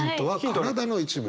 体の一部。